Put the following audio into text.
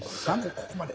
ここまで。